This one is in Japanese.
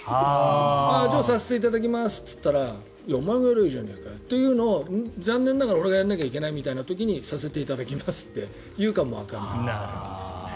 「させていただきます」って言ったらお前がやればいいじゃないかよって残念ながら俺がやらなきゃいけない時に「させていただきます」って言うかもわからない。